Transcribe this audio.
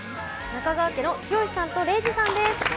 中川家の剛さんと礼二さんです。